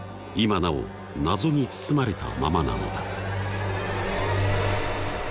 今なお謎に包まれたままなのだ。